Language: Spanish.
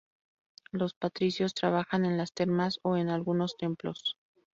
Los patricios trabajan en las termas o en algunos templos.